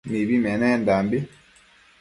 Mibi menendanbi